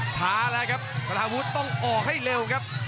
ช้าแล้วครับสารวุฒิต้องออกให้เร็วครับ